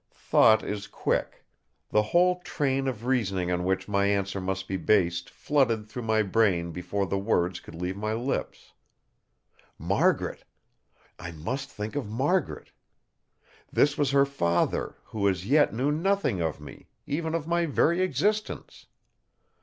Thought is quick; the whole train of reasoning on which my answer must be based flooded through my brain before the words could leave my lips. Margaret! I must think of Margaret! This was her father, who as yet knew nothing of me; even of my very existence.